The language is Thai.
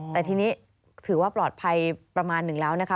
แต่ทีนี้ถือว่าปลอดภัยประมาณหนึ่งแล้วนะคะ